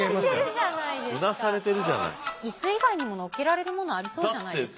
椅子以外にも載っけられるものありそうじゃないですか？